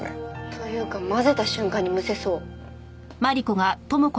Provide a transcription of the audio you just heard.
というか混ぜた瞬間にむせそう。